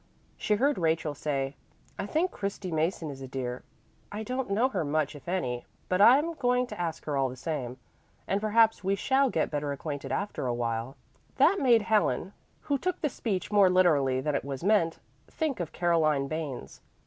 She heard Rachel say, "I think Christy Mason is a dear. I don't know her much if any, but I'm going to ask her all the same, and perhaps we shall get better acquainted after awhile." That made Helen, who took the speech more literally than it was meant, think of Caroline Barnes.